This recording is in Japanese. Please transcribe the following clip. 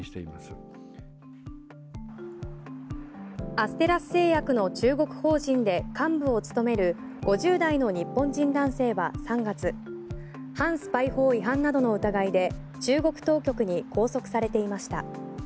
アステラス製薬の中国法人で幹部を務める５０代の日本人男性は３月反スパイ法違反などの疑いで中国当局に拘束されていました。